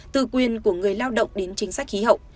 từ quyền của người lao động đến chính sách khí hậu